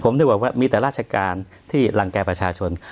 ผมถึงบอกว่ามีแต่ราชการที่รังแก่ประชาชน